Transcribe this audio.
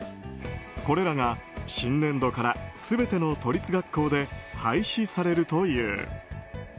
これらが新年度から全ての都立学校で廃止されるという。